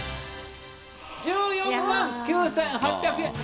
１４万９８００円！